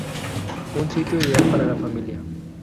Un sitio ideal para la familia.